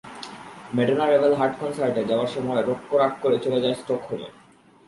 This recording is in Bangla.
ম্যাডোনা রেবেল হার্ট কনসার্টে যাওয়ার সময় রক্কো রাগ করে চলে যায় স্টকহোমে।